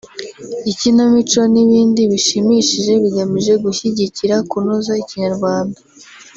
ikinamico n’ibindi bishimishije bigamije gushyigikira kunoza Ikinyarwanda